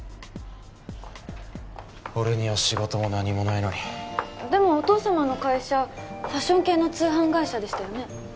俺には仕事も何もないのにでもお父様の会社ファッション系の通販会社でしたよね？